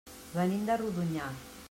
Venim de Rodonyà.